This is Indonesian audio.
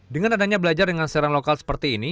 dengan adanya belajar dengan siaran lokal seperti ini